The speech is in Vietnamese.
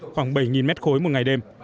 khoảng bảy mét khối một ngày đêm